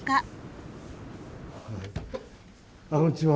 こんにちは。